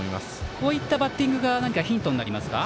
こういったバッティングがヒントになりますか。